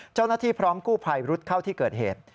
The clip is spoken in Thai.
เจ้าหน้าที่พร้อมกู้ภัยรุดเข้าที่เกิดเหตุ